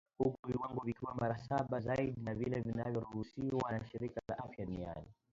Huku viwango vikiwa mara saba zaidi ya vile vinavyoruhusiwa na shirika la afya duniani.